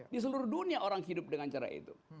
di seluruh dunia orang hidup dengan cara itu